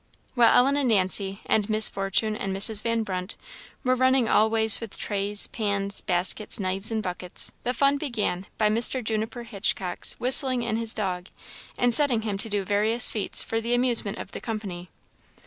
While Ellen and Nancy, and Miss Fortune and Mrs. Van Brunt were running all ways with trays, pans, baskets, knives, and buckets, the fun began by Mr. Juniper Hitchcock's whistling in his dog, and setting him to do various feats for the amusement of the company.